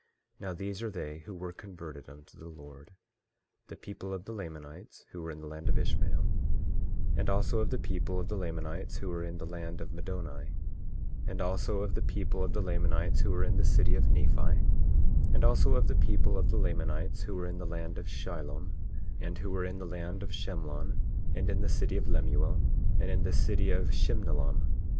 23:8 Now, these are they who were converted unto the Lord: 23:9 The people of the Lamanites who were in the land of Ishmael; 23:10 And also of the people of the Lamanites who were in the land of Middoni; 23:11 And also of the people of the Lamanites who were in the city of Nephi; 23:12 And also of the people of the Lamanites who were in the land of Shilom, and who were in the land of Shemlon, and in the city of Lemuel, and in the city of Shimnilom.